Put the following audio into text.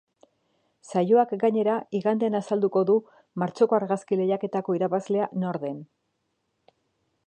Saioak, gainera, igandean azalduko du martxoko argazki lehiaketako irabazlea nor den.